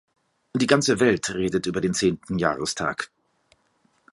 Die ganze Welt redet über den zehnten Jahrestag.